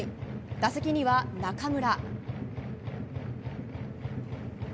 打席には中村。